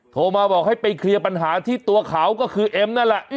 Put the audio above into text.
โทรมาบอกให้ไปเคลียร์ปัญหาที่ตัวเขาก็คือเอ็มนั่นแหละ